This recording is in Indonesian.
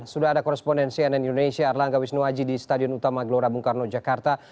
sudah ada korespondensi nn indonesia erlangga wisnuwaji di stadion utama gelora bung karno jakarta